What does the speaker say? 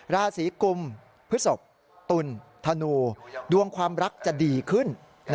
ราศีกุมพฤศพตุลธนูดวงความรักจะดีขึ้น